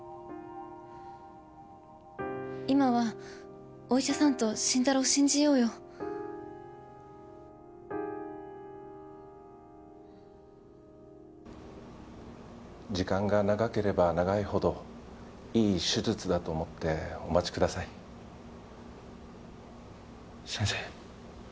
今はお医者さんと慎太郎を信じようよ時間が長ければ長いほどいい手術だと思ってお待ちください先生